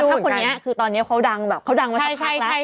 คือถ้าคนนี้คือตอนนี้เขาดังแบบเขาดังมาสักพักแล้ว